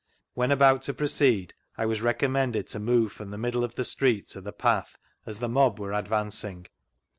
When about to jwoceed, 1 was recommended to move from the middle of the street to the path, as the mob were advancing.